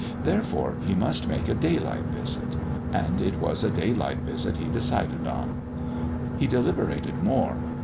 Therefore he must make a daylight visit; and it was a daylight visit he decided on. He deliberated more.